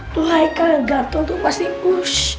tuh hai kak ganteng tuh pasti push